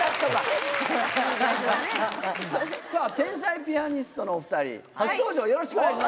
天才ピアニストのお２人初登場よろしくお願いします。